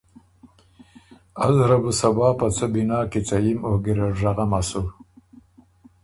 ازه ره بو صبا په څۀ بنا کیڅه یِم او ګیرډ ژغمه سُو